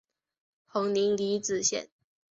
彭宁离子阱。